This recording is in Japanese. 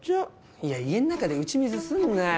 いや家ん中で打ち水すんなよ。